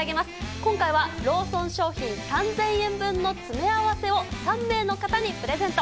今回は、ローソン商品３０００円分の詰め合わせを３名の方にプレゼント。